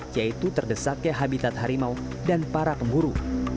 yaitu terdesaknya habitat harimau dan para pemburu